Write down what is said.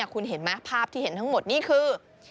คุณเห็นไหมภาพที่เห็นทั้งหมดนี่คือ